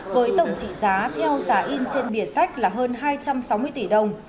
với tổng trị giá theo giá in trên biển sách là hơn hai trăm sáu mươi tỷ đồng